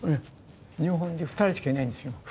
日本で２人しかいないんですよ。